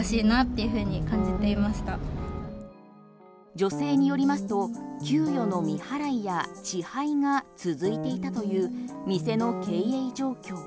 女性によりますと給与の未払いや遅配が続いていたという店の経営状況。